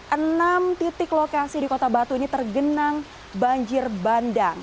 dan banyak lokasi di kota batu ini tergenang banjir bandang